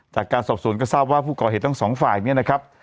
จากการสอบสวนก็ทราบว่าผู้ก่อเหตุทั้งสองฝ่ายเนี่ยนะครับ